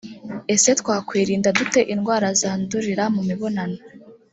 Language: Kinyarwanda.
ese twakwirinda dute indwara zandurira mu mibonano